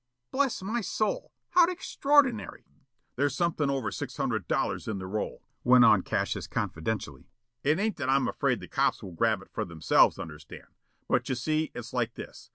"Bless my soul! How extraordinary!" "There's something over six hundred dollars in the roll," went on Cassius confidentially. "It ain't that I'm afraid the cops will grab it for themselves, understand. But, you see, it's like this.